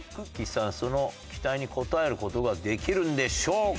さんのその期待に応える事ができるんでしょうか？